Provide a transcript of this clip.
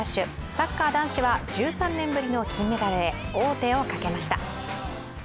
サッカー男子は１３年ぶりの金メダルへ王手をかけました。